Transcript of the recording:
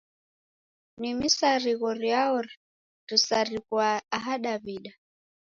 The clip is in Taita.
Ni misarigho riao risarighwaa aha Daw'ida?